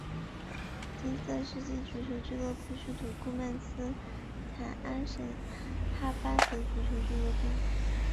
金色世纪足球俱乐部是土库曼斯坦阿什哈巴德足球俱乐部。